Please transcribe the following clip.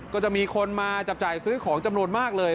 ก็จะมีคนมาจับจ่ายซื้อของจำนวนมากเลย